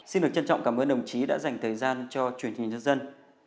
xin được trân trọng cảm ơn đồng chí đã dành thời gian cho truyền hình nhân dân